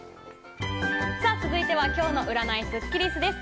続いては今日の占いスッキりすです。